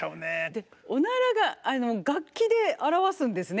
でおならが楽器で表すんですね